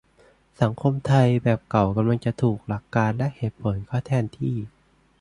สังคมไทยแบบเก่ากำลังจะถูกหลักการณ์และเหตุผลเข้าแทนที่